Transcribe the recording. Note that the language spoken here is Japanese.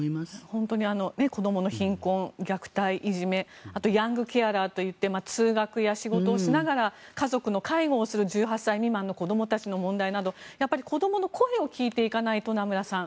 本当に子どもの貧困、虐待、いじめあとはヤングケアラーといって通学や仕事をしながら家族の介護をする１８歳未満の子どもたちの問題など子どもの声を聞いていかないと名村さん